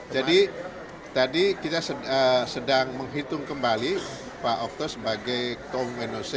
jadi tadi kita sedang menghitung kembali pak oktos sebagai komunis noc